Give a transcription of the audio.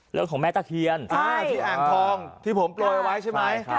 เรื่องของแม่ตะเคียนที่อ่างทองที่ผมปล่อยไว้ใช่ไหม